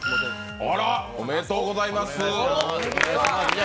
おめでとうございます。